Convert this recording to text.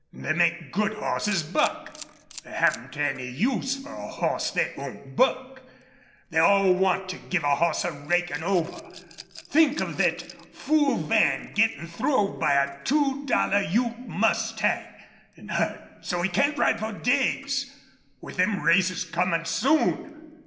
They make good hosses buck. They haven't any use for a hoss thet won't buck. They all want to give a hoss a rakin' over.... Think of thet fool Van gettin' throwed by a two dollar Ute mustang. An' hurt so he can't ride for days! With them races comin' soon!